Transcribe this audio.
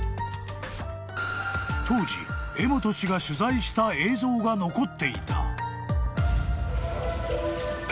［当時江本氏が取材した映像が残っていた］